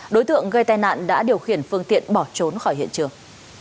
đối tượng gây tai nạn đã điều khiển phương tiện bỏ trốn khỏi hiện trường